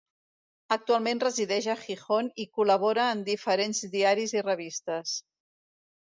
Actualment resideix a Gijón i col·labora en diferents diaris i revistes.